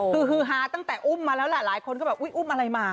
คือฮือฮาตั้งแต่อุ้มมาแล้วแหละหลายคนก็แบบอุ๊ยอุ้มอะไรมา